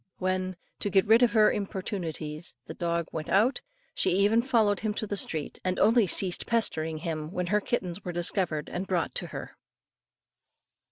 When, to get rid of her importunities, the dog went out, she even followed him to the street, and only ceased pestering him, when her kittens were discovered and brought to her.